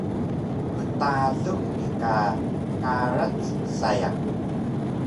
mtalux bi ka karac sayang